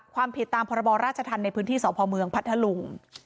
ความผิดตามพรทในพื้นที่สพเมืองพัทธลุง